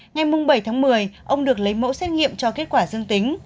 ngày bảy tháng một mươi ông được lấy mẫu xét nghiệm cho kết quả dương tính